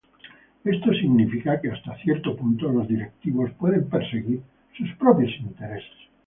Esto significa que hasta cierto punto los directivos pueden perseguir sus propios intereses.